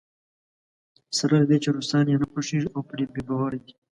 سره له دې چې روسان یې نه خوښېږي او پرې بې باوره دی.